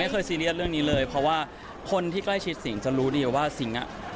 เคยซีเรียสเรื่องนี้เลยเพราะว่าคนที่ใกล้ชิดสิงห์จะรู้ดีว่าสิงห์อ่ะ